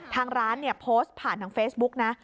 ทางร้านเนี่ยโพสต์ผ่านทางเฟซบุ๊กนะ